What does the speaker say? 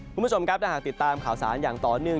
คุณผู้ชมครับถ้าหากติดตามข่าวสารอย่างต่อเนื่อง